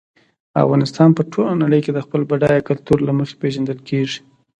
افغانستان په ټوله نړۍ کې د خپل بډایه کلتور له مخې پېژندل کېږي.